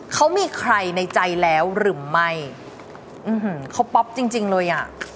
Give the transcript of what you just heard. เขามีใครในใจแล้วหรือไม่เขาป๊อปจริงเลย